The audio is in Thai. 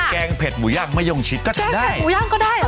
แกงเผ็ดหมูยากมะยงชิตก็ได้